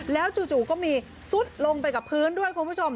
แล้วจู่ก็มีซุดลงไปกับพื้นด้วยคุณผู้ชม